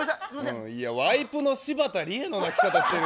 ワイプの柴田理恵の泣き方してる。